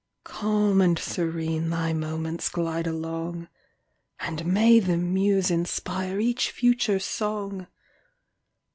Calm and serene thy moments glide along, And may the muse inspire each future song!